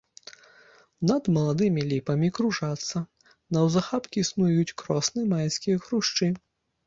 Над маладымі ліпамі кружацца, наўзахапкі снуюць кросны майскія хрушчы.